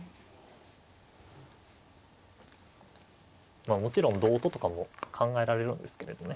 まあもちろん同ととかも考えられるんですけれどね。